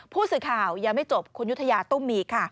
ผู้สื่อข่าวยังไม่จบคุณยุธยาตุ้มมีค่ะ